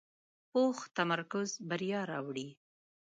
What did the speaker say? پوخ تمرکز بریا راوړي